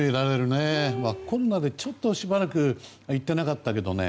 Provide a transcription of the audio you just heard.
コロナで、ちょっとしばらく行ってなかったけどね